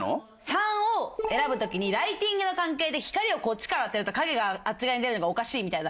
３を選ぶときにライティングの関係で光をこっちから当てると影があっち側に出るのがおかしいみたいな。